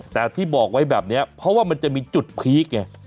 แต่ที่บอกไว้แบบนี้เพราะว่ามันจะมีจุดพีคไง